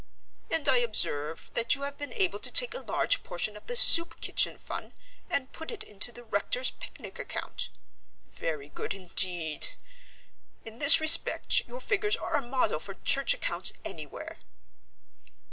And I observe that you have been able to take a large portion of the Soup Kitchen Fund and put it into the Rector's Picnic Account. Very good indeed. In this respect your figures are a model for church accounts anywhere."